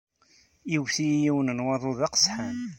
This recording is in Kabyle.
Iwet-iyi yiwen waḍu d aqesḥan.